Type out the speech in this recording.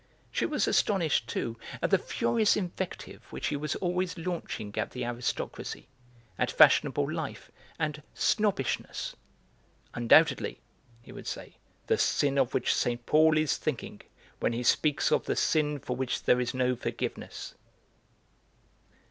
She was astonished, too, at the furious invective which he was always launching at the aristocracy, at fashionable life, and 'snobbishness' "undoubtedly," he would say, "the sin of which Saint Paul is thinking when he speaks of the sin for which there is no forgiveness."